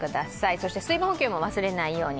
そして水分補給も忘れないように。